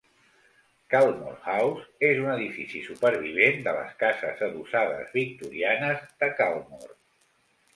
Caldmore House és un edifici supervivent de les cases adossades victorianes de Caldmore.